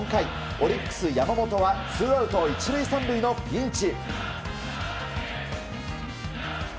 オリックス、山本はツーアウト１塁３塁のピンチ。